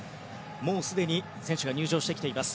もうすでに選手が入場してきています。